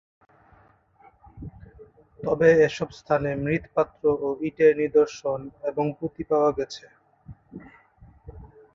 তবে এসব স্থানে মৃৎপাত্র ও ইটের নিদর্শন এবং পুঁতি পাওয়া গেছে।